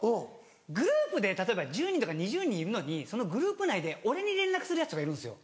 グループで例えば１０人とか２０人いるのにそのグループ内で俺に連絡するヤツとかいるんですよ。